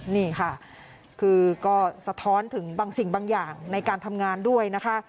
นี่ค่ะคือก็สะท้อนถึงบางสิ่งบางอย่างในการทำงานด้วยนะคะ